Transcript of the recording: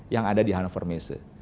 yang ada di hannover messe